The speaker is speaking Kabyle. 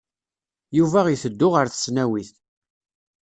Yuba iteddu ɣer tesnawit.